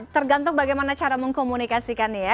tergantung bagaimana cara mengkomunikasikannya ya